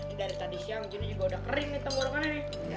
ini dari tadi siang juga udah kering nih tenggorokannya